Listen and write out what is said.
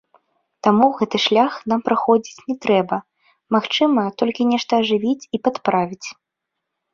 Таму гэты шлях нам праходзіць не трэба, магчыма, толькі нешта ажывіць і падправіць.